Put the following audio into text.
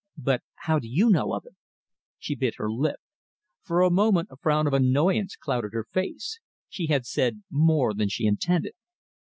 "But how do you know of it?" She bit her lip. For a moment a frown of annoyance clouded her face. She had said more than she intended.